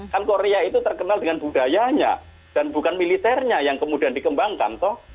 kan korea itu terkenal dengan budayanya dan bukan militernya yang kemudian dikembangkan